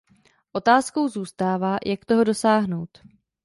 Otázkou zůstává, jak toho dosáhnout.